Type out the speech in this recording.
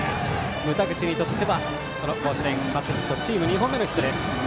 牟田口にとっては甲子園初ヒットチーム２本目のヒットです。